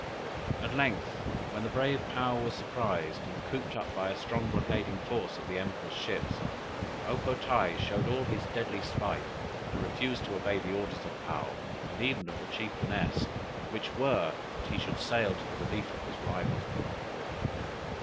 At length, when the brave Paou was surprised and cooped up by a strong blockading force of the Emperor's ships, O po tae showed all his deadly spite, and refused to obey the orders of Paou, and even of the chieftainess, which were, that he should sail to the relief of his rival.